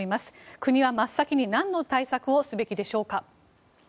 国は真っ先になんの対策をすべきでしょうか。